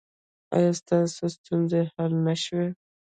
ایا ستاسو ستونزې حل نه شوې؟